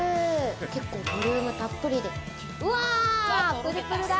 結構ボリュームたっぷりでプルプルだ！